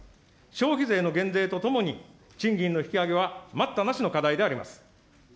消費税の減税とともに賃金の引き上げは待ったなしの課題であります。